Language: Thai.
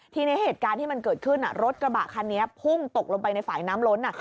ทีนี้เหตุการณ์ที่มันเกิดขึ้นรถกระบะคันนี้พุ่งตกลงไปในฝ่ายน้ำล้น